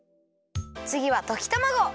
つぎはときたまご！